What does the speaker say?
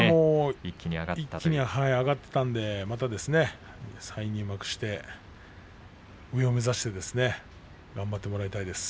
一気に上がったのでまた再入幕して上を目指してですね頑張ってもらいたいです。